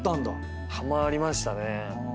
ハマりましたね。